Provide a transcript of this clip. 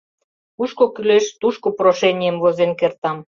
Кушко кӱлеш, тушко прошенийым возен кертам.